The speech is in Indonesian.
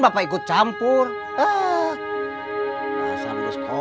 pada sw enam puluh tujuh yang saja